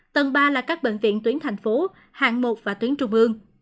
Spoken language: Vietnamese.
tầng ba là các bệnh viện tuyển thành phố hạng một và tuyển trung ương